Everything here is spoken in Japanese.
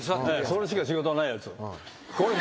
それしか仕事ないやつ。